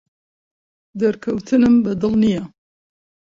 دەرکەوتنمم بەدڵ نییە.